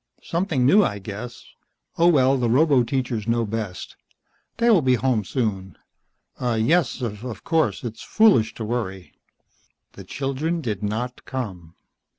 "Something new, I guess. Oh, well, the roboteachers know best. They will be home soon." "Yes, of course. It's foolish to worry." The children did not come.